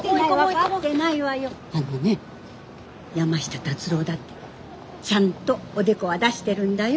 あのね山下達郎だってちゃんとおでこは出してるんだよ。